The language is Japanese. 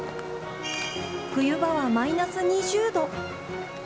冬場はマイナス２０度。